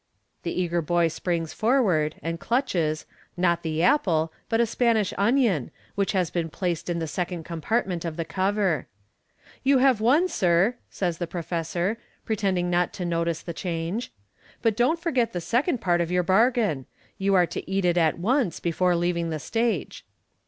The eager boy springs forward, and clutches — not the apple, but a Spanish onion, which had been placed in the second compart ment of the cover. " You have won, sir," says the professor, pre tending not to notice the change $" but don't forget the second part of your bargain. You are to eat it at once, before leaving the stage."